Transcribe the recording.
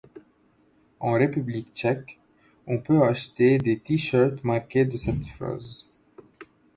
En République tchèque, on peut acheter des tee-shirts marqués de cette phrase.